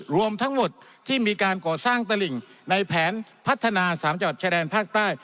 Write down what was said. รวมทั้งหมดที่มีการก่อสร้างตลิ่งในแผนพัฒนา๓จังหวัดชายแดนภาคใต้